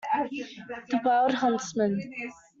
The wild huntsman.